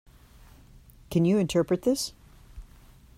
Can you interpret this?